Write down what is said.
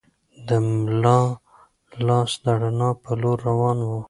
د ملا لاس د رڼا په لور روان و.